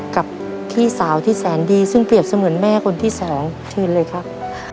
กับพี่สาวที่แสนดีซึ่งเปรียบเสมือนแม่คนที่สองเชิญเลยครับ